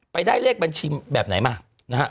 ได้เลขบัญชีแบบไหนมานะฮะ